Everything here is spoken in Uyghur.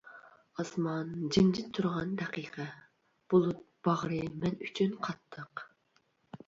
ئاسمان جىمجىت تۇرغان دەقىقە، بۇلۇت باغرى مەن ئۈچۈن قاتتىق.